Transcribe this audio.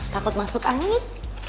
takut masuk angin